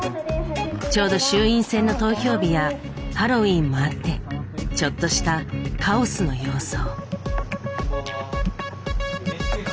ちょうど衆院選の投票日やハロウィーンもあってちょっとしたカオスの様相。